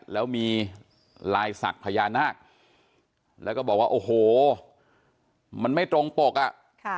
แล้วมีลายศักดิ์พญานาคแล้วก็บอกว่าโอ้โหมันไม่ตรงปกอ่ะค่ะ